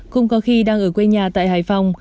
cùng có khi đang ở quê nhà tại hải phòng